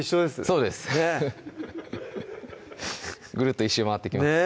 そうですぐるっと１周回ってきます